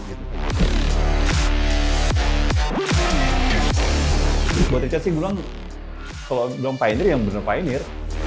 buat richard sih belum kalau belum pioneer yang bener bener pioneer